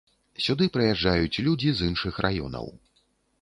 Сюды прыязджаюць людзі з іншых раёнаў.